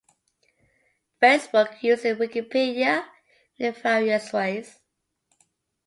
Facebook uses Wikipedia in various ways.